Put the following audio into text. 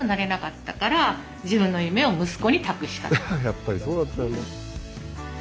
やっぱりそうだったんだ。